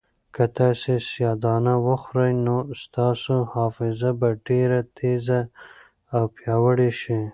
که تاسي سیاه دانه وخورئ نو ستاسو حافظه به ډېره تېزه او پیاوړې شي.